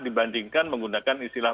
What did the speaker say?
dibandingkan menggunakan istilah